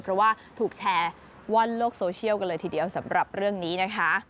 เพราะว่าถูกแชร์ว่อนโลกโซเชียลกันเลยทีเดียวสำหรับเรื่องนี้นะคะ